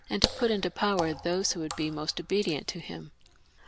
to put into power those who would be most obedient to him.